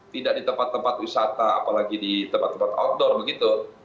tidak di tempat tempat wisata apalagi di tempat tempat outdoor begitu